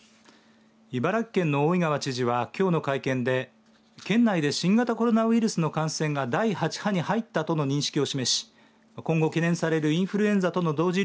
茨城県の大井川知事は、きょうの会見で県内で新型コロナウイルスの感染が第８波に入ったとの認識を示し今後、懸念されるインフルエンザとの同時